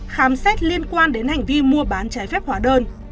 khám xét liên quan đến hành vi mua bán trái phép hóa đơn